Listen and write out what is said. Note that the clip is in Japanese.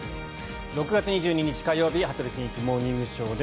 ６月２２日、火曜日「羽鳥慎一モーニングショー」。